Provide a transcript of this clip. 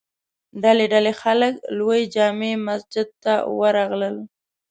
ډلې ډلې خلک لوی جامع مسجد ته ور راغلل.